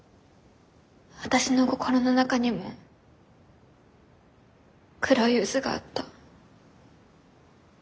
私の心の中にも黒い渦があった。